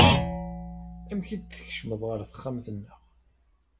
Amek i d-tkecmeḍ ɣer texxamt-nneɣ?